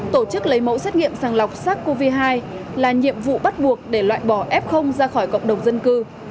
tổ chức lấy mẫu xét nghiệm sàng lọc sars cov hai là nhiệm vụ bắt buộc để loại bỏ f ra khỏi cộng đồng dân cư